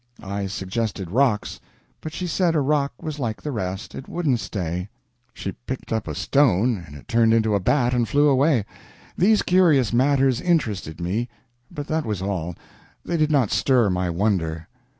I suggested rocks; but she said a rock was like the rest; it wouldn't stay. She picked up a stone, and it turned into a bat and flew away. These curious matters interested me, but that was all; they did not stir my wonder.